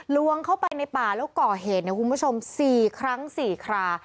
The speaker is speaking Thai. ลวงเข้าไปในป่าแล้วก่อเหตุคุณผู้ชมสี่ครั้งสี่ครา